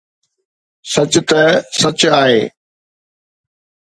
سچ ته سچ آهي